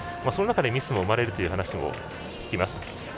その中でミスも生まれるという話も聞きます。